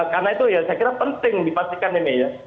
karena itu ya saya kira penting dipastikan ini ya